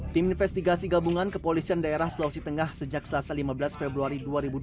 tim investigasi gabungan kepolisian daerah sulawesi tengah sejak selasa lima belas februari dua ribu dua puluh